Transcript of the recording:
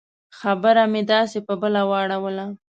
خبره مې داسې په بله واړوله.